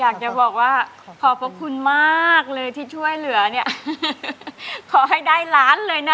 อยากจะบอกว่าขอบพระคุณมากเลยที่ช่วยเหลือเนี่ยขอให้ได้ล้านเลยนะ